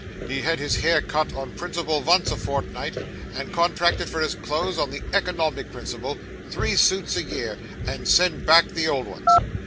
He had his hair cut on principle vunce a fortnight, and contracted for his clothes on the economic principle three suits a year, and send back the old uns.